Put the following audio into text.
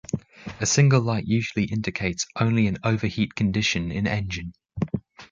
A single light usually indicates only an overheat condition in engine.